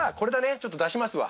ちょっと出しますわ。